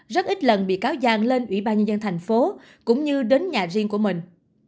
rất ít lần bị cáo giang lên ủy ban nhân dân thành phố cũng như đến nhà riêng của mình